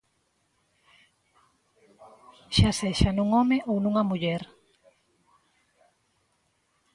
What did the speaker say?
Xa sexa nun home ou nunha muller.